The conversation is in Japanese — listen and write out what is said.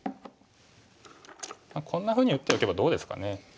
こんなふうに打っておけばどうですかね。